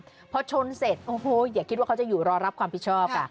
เถอะเพราะชนเสร็จโอ้โฮอย่าคิดว่าเขาจะอยู่รอรับความผิดชอบ